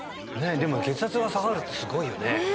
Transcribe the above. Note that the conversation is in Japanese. でも血圧が下がるってすごいよねねえ！